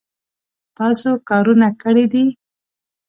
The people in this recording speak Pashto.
تاسو کارونه کړي دي